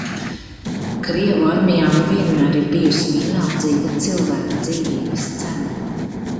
Krievu armijām vienmēr ir bijusi vienaldzīga cilvēka dzīvības cena.